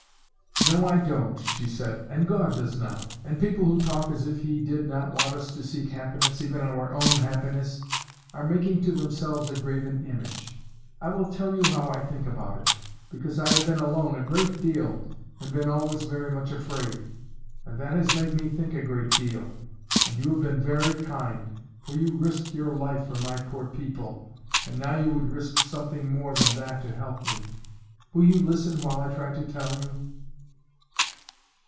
"No, I don't," she said, "and God does not; and people who talk as if He did not want us to seek happiness even our own happiness are making to themselves a graven image. I will tell you how I think about it, because I have been alone a great deal and been always very much afraid, and that has made me think a great deal, and you have been very kind, for you risked your life for my poor people, and now you would risk something more than that to help me. Will you listen while I try to tell you?"